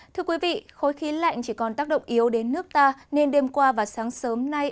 thưa quý vị khối khí lạnh chỉ còn tác động yếu đến nước ta nên đêm qua và sáng sớm nay